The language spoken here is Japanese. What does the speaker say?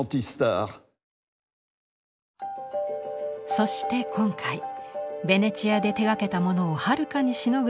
そして今回ベネチアで手がけたものをはるかにしのぐ